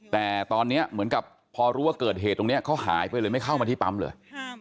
แต่ตอนนี้เหมือนกับพอรู้ว่าเกิดเหตุตรงนี้เขาหายไปเลยไม่เข้ามาที่ปั๊มเลย